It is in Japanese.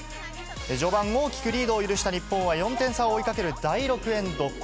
序盤、大きくリードを許した日本は４点差を追いかける第６エンド